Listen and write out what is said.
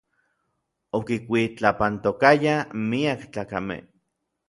Okikuitlapantokayaj miak tlakamej.